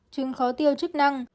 trứng khó tiêu chức năng